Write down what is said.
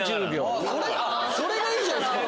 それがいいじゃないっすか。